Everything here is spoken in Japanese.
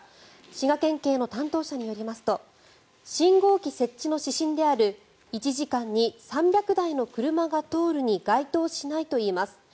滋賀県警の担当者によりますと信号機設置の指針である１時間に３００台の車が通るに該当しないといいます。